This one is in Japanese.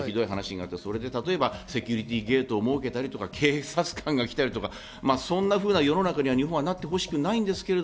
それでセキュリティーゲートを設けたり、警察官が来たり、そんなふうな世の中に日本はなってほしくないですけど。